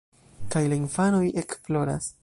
Kaj la infanoj ekploras.